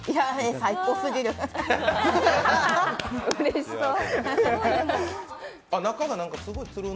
最高すぎる！